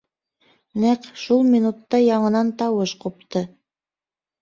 Нәҡ шул минутта яңынан тауыш ҡупты.